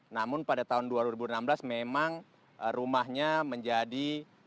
namun pada tahun dua ribu enam belas memang rumahnya menjadi